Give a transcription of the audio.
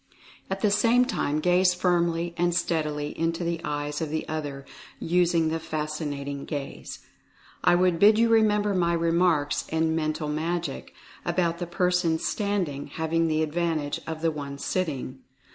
At the same time gaze firmly and steadily into the eyes of the other, using the Fascinating Gaze. I would bid you remember my remarks in "Mental Magic" about the person standing having the advantage of the one sitting.